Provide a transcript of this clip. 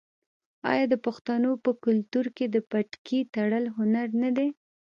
آیا د پښتنو په کلتور کې د پټکي تړل هنر نه دی؟